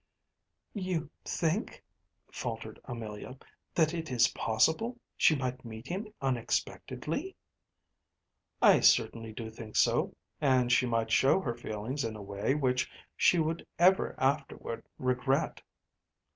‚ÄĚ “You think,‚ÄĚ faltered Amelia, “that it is possible she might meet him unexpectedly?‚ÄĚ “I certainly do think so. And she might show her feelings in a way which she would ever afterward regret.